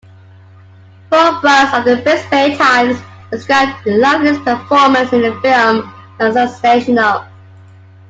Paul Byrnes, of the "Brisbane Times", described Lively's performance in the film as "sensational".